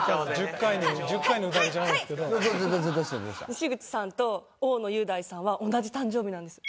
西口さんと大野雄大さんは同じ誕生日なんです。